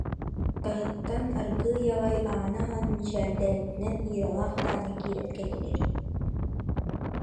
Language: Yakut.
Таһыттан аргыый аҕай ааны аһан мичээрдээбитинэн Иралаах Таня киирэн кэллилэр